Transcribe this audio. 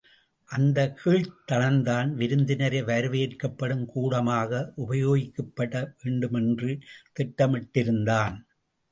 அந்தக் கீழ்த் தளம்தான் விருந்தினரை வரவேற்கப்படும் கூடமாக உபயோகிக்கப்பட வேண்டுமென்று திட்டமிட்டிருந்தான்!